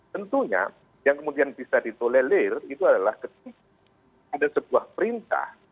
tentunya yang kemudian bisa ditolelir itu adalah ketika ada sebuah perintah